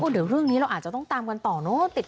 เดี๋ยวเรื่องนี้เราอาจจะต้องตามกันต่อเนอะ